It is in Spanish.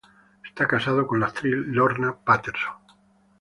Está casado con la actriz Lorna Patterson.